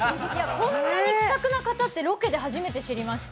こんなに気さくな方って、ロケで初めて知りました。